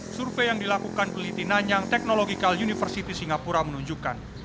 survei yang dilakukan peliti nanyang technological university singapura menunjukkan